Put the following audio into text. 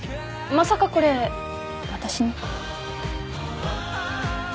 まさかこれ私に？